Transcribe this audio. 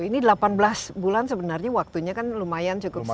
ini delapan belas bulan sebenarnya waktunya kan lumayan cukup